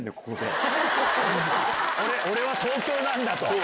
俺は東京なんだ！と。